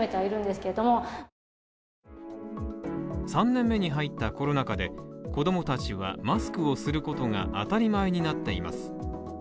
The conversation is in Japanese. ３年目に入ったコロナ禍で、子供たちはマスクをすることが当たり前になっています。